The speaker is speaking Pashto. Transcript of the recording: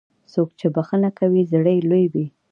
څوک چې بښنه کوي، زړه یې لوی وي.